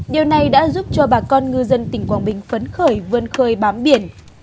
điều này đã giúp cho bà con ngư dân tỉnh quảng bình phấn khởi vươn khơi bám biển